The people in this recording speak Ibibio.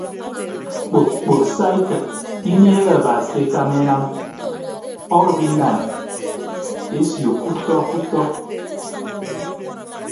Kpok kpok saikịd inieehe aba se ekama enam ọdʌk inan esio kutọ kutọ.